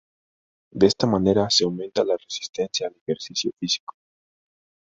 De esta manera se aumenta la resistencia al ejercicio físico.